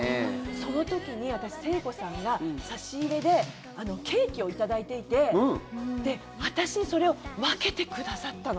その時に私、聖子さんが差し入れでケーキを頂いていて私にそれを分けてくださったの。